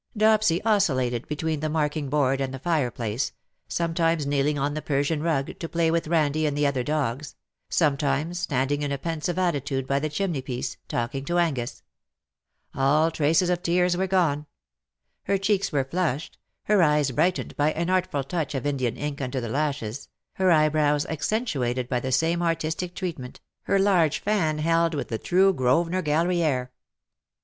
Dopsy oscillated bet wee a the marking board and the fireplace — sometimes kneeling on the Persian rug to play with Eandie and the other dogs, sometimes standing in a pensive attitude by the chimneypiece, talking to Angus. All traces of tears were gone. Her cheeks were flushed, her eyes brightened by an artful touch of Indian ink under the lashes, her eyebrows accentuated by the same artistic treatment, her large fan held witli the true Grosvcnor Gallery air. 262 *^ WHO KNOWS NOT CIRCE